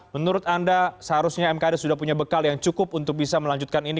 menurut anda seharusnya mkd sudah punya bekal yang cukup untuk bisa melanjutkan ini